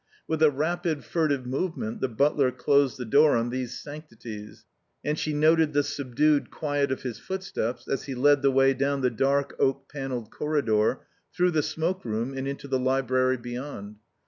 With a rapid, furtive movement the butler closed the door on these sanctities; and she noted the subdued quiet of his footsteps as he led the way down the dark oak panelled corridor, through the smoke room, and into the library beyond.